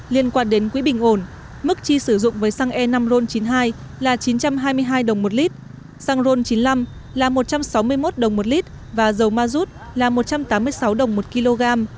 liên quan đến quỹ bình ổn mức chi sử dụng với xăng e năm ron chín mươi hai là chín trăm hai mươi hai đồng một lít xăng ron chín mươi năm là một trăm sáu mươi một đồng một lít và dầu ma rút là một trăm tám mươi sáu đồng một kg